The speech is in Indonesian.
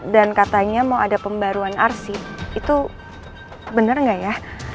dan katanya mau ada pembaruan arsip itu benar enggak ya